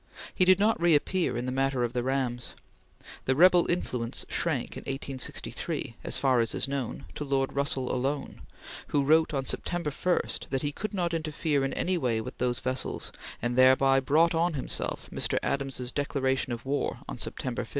He did not reappear in the matter of the rams. The rebel influence shrank in 1863, as far as is known, to Lord Russell alone, who wrote on September 1 that he could not interfere in any way with those vessels, and thereby brought on himself Mr. Adams's declaration of war on September 5.